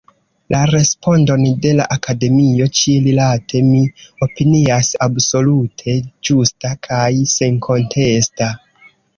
La respondon de la Akademio ĉi-rilate mi opinias absolute ĝusta kaj senkontesta.